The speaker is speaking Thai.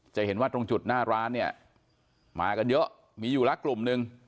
จะเห็นว่าตรงจุดหน้าร้านเนี่ยมากันเยอะมีอยู่ละกลุ่มหนึ่ง